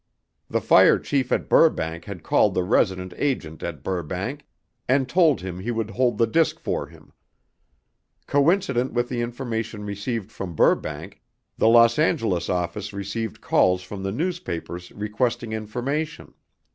The fire chief at Burbank had called the resident agent at Burbank and told him he would hold the disc for him. Coincident with the information received from Burbank, the Los Angeles Office received calls from the newspapers requesting information.